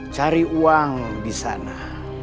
cari uang di sana